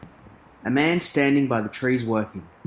A man standing by the trees working.